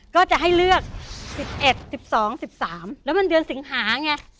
ก็จะให้เลือก๑๑๑๒๑๓แล้วมันเดือนสิงหาไง